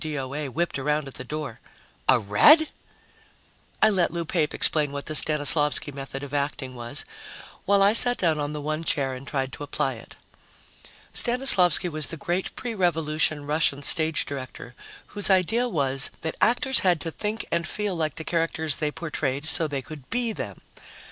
O.A. whipped around at the door. "A Red?" I let Lou Pape explain what the Stanislavsky method of acting was, while I sat down on the one chair and tried to apply it. Stanislavsky was the great pre Revolution Russian stage director whose idea was that actors had to think and feel like the characters they portrayed so they could be them.